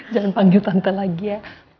jangan panggil tante lagi ya